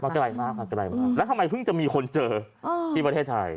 ไกลมากมาไกลมากแล้วทำไมเพิ่งจะมีคนเจอที่ประเทศไทย